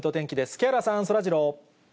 木原さん、そらジロー。